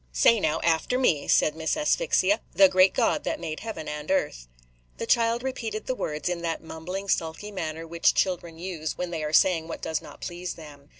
"Say, now, after me," said Miss Asphyxia, "'The great God that made heaven and earth.'" The child repeated the words, in that mumbling, sulky manner which children use when they are saying what does not please them.